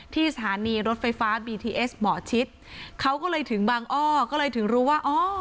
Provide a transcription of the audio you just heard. สถานีรถไฟฟ้าบีทีเอสหมอชิดเขาก็เลยถึงบางอ้อก็เลยถึงรู้ว่าอ๋อ